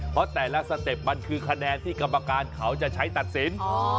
เพราะแต่ละสเต็ปมันคือคะแนนที่กรรมการเขาจะใช้ตัดสิน